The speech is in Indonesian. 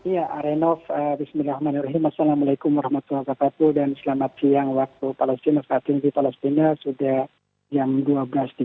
ya renov bismillahirrahmanirrahim assalamualaikum warahmatullahi wabarakatuh dan selamat siang waktu palestina